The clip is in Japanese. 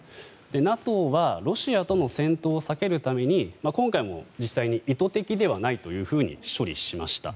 ＮＡＴＯはロシアとの戦闘を避けるために今回も実際に意図的ではないと処理しました。